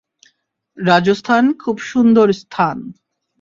রাজস্থান খুব সুন্দর স্থান।